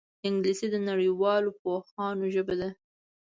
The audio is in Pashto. انګلیسي د نړیوالو پوهانو ژبه ده